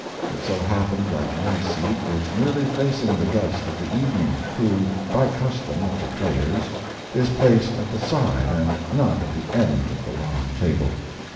It so happened that my seat was nearly facing the guest of the evening, who, by custom of The Players, is placed at the side and not at the end of the long table.